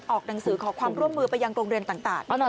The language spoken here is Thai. หนังสือขอความร่วมมือไปยังโรงเรียนต่าง